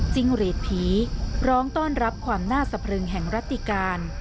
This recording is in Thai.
เรดผีร้องต้อนรับความน่าสะพรึงแห่งรัติการ